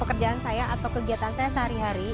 pekerjaan saya atau kegiatan saya sehari hari